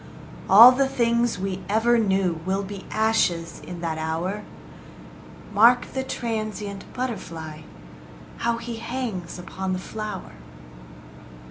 All the things we ever knew Will be ashes in that hour: Mark the transient butterfly, How he hangs upon the flower.